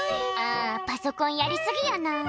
あパソコンやりすぎやな。